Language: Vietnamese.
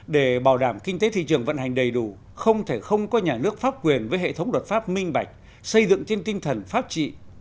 để bảo đảm kinh tế thị trường vận hành đầy đủ không thể không có nhà nước pháp quyền với hệ thống luật pháp minh bạch xây dựng trên tinh thần pháp trị